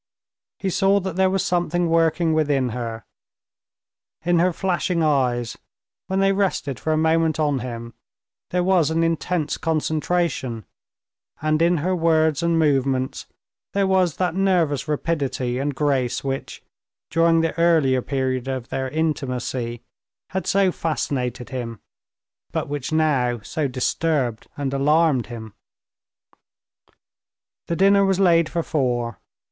He saw that there was something working within her; in her flashing eyes, when they rested for a moment on him, there was an intense concentration, and in her words and movements there was that nervous rapidity and grace which, during the early period of their intimacy, had so fascinated him, but which now so disturbed and alarmed him. The dinner was laid for four.